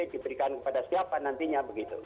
diberikan kepada siapa nantinya begitu